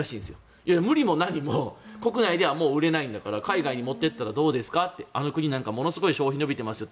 いや、無理も何も国内ではもう売れないんだから海外に持っていったらどうですかってあの国、なんかものすごい消費が伸びてますよって。